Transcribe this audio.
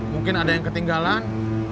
mungkin ada yang ketinggalan